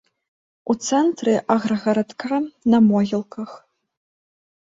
У цэнтра аграгарадка, на могілках.